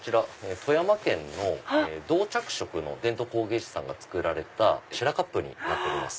富山県の銅着色の伝統工芸士さんが作られたシェラカップになっております。